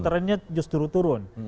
trendnya justru turun